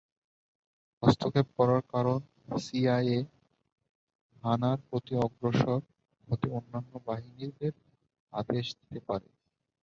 হস্তক্ষেপ করার কারণ, সিআইএ হা-নার প্রতি অগ্রসর হতে অন্যান্য বাহিনীদের আদেশ দিতে পারে।